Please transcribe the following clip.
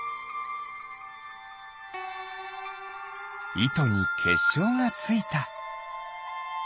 いとにけっしょうがついた。